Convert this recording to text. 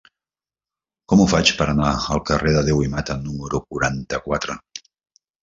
Com ho faig per anar al carrer de Deu i Mata número quaranta-quatre?